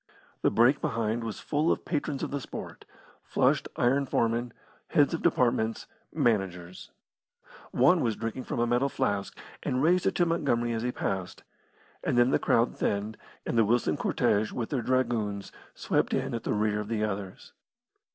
The brake behind was full of patrons of the sport flushed iron foremen, heads of departments, managers. One was drinking from a metal flask, and raised it to Montgomery as he passed; and then the crowd thinned, and the Wilson cortege with their dragoons swept in at the rear of the others.